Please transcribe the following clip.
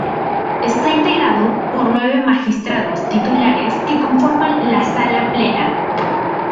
Está integrado por nueve Magistrados titulares que conforman la Sala Plena.